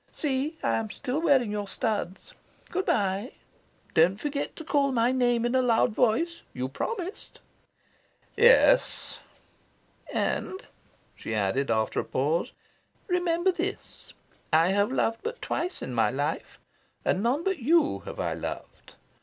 "See, I am still wearing your studs. Good bye. Don't forget to call my name in a loud voice. You promised." "Yes." "And," she added, after a pause, "remember this. I have loved but twice in my life; and none but you have I loved.